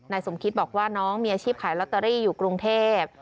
สมคิตบอกว่าน้องมีอาชีพขายลอตเตอรี่อยู่กรุงเทพ